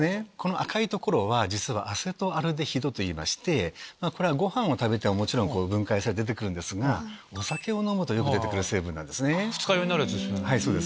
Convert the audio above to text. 赤い所は実はアセトアルデヒドといいましてこれはごはんを食べて分解されて出て来るんですがお酒を飲むと出て来る成分です。